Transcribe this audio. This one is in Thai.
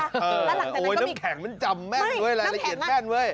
แล้วหลังจากนั้นก็มีโอ๊ยน้ำแข็งมันจำแม่นด้วยรายละเอียดแม่น